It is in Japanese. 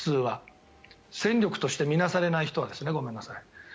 戦力として見なされない人はですねごめんなさい。